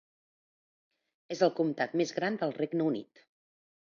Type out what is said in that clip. És el comtat més gran del Regne Unit.